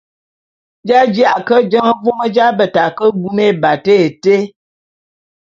J’aji’a ke jeñe vôm j’abeta ke bume ébatak été.